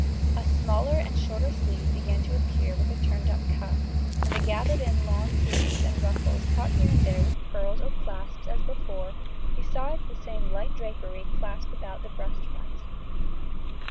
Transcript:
A smaller and shorter sleeve began to appear with a turned up cuff, and the gathered in lawn sleeves and ruffles caught here and there with pearls or clasps as before, besides the same light drapery clasped about the breast front.